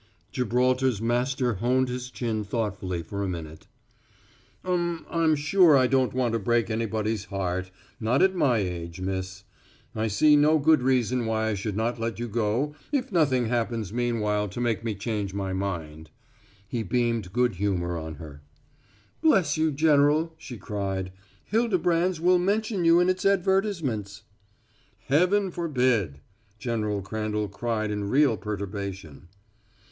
Gibraltar's master honed his chin thoughtfully for a minute. "Um I'm sure I don't want to break anybody's heart not at my age, miss. I see no good reason why I should not let you go if nothing happens meanwhile to make me change my mind." He beamed good humor on her. "Bless you, General," she cried. "Hildebrand's will mention you in its advertisements." "Heaven forbid!" General Crandall cried in real perturbation.